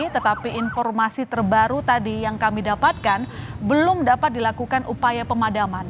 tetapi informasi terbaru tadi yang kami dapatkan belum dapat dilakukan upaya pemadaman